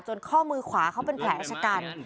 ข้อมือขวาเขาเป็นแผลชะกัน